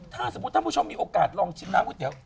ถ้าสมมุติท่านผู้ชมมีโอกาสลองชิมน้ำก๋ว